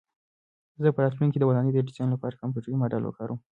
زه به په راتلونکي کې د ودانۍ د ډیزاین لپاره کمپیوټري ماډل وکاروم.